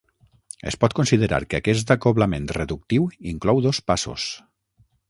Es pot considerar que aquest acoblament reductiu inclou dos passos.